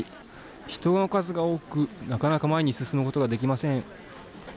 人の数が多く、なかなか前に進むことができません。